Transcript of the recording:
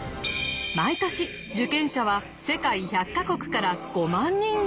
毎年受験者は世界１００か国から５万人以上。